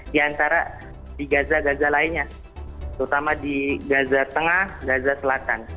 di antara di gaza gaza lainnya terutama di gaza tengah gaza selatan